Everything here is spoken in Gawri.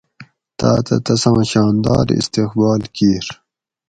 تاتہ تساں شاندار استقبال کیر